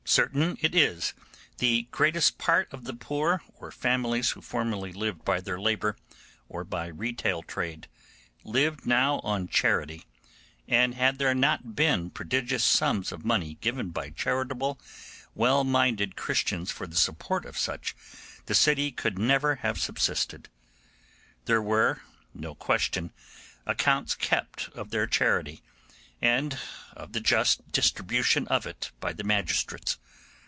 Certain it is, the greatest part of the poor or families who formerly lived by their labour, or by retail trade, lived now on charity; and had there not been prodigious sums of money given by charitable, well minded Christians for the support of such, the city could never have subsisted. There were, no question, accounts kept of their charity, and of the just distribution of it by the magistrates.